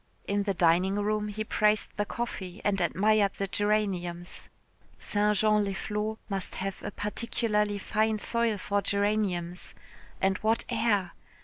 In the dining room he praised the coffee, and admired the geraniums. St. Jean les Flots must have a particularly fine soil for geraniums, and what air!